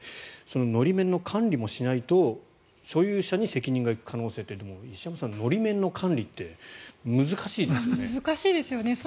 法面の管理もしないと所有者に責任が行く可能性といっても石山さん、法面の管理って難しいですよね。